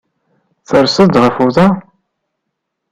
Terseḍ-d ɣef uḍar?